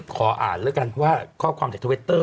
ขออ่านแล้วกันว่าข้อความจากทวิตเตอร์